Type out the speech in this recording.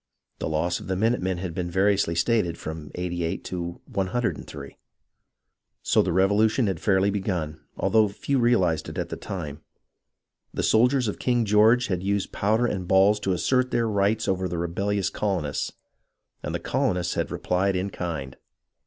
The loss of the minute men has been variously stated from 88 to 103. So the Revolution had fairly begun, although few real ized it at the time. The soldiers of King George had used powder and balls to assert their rights over the rebellious colonists, and the colonists had replied in kind.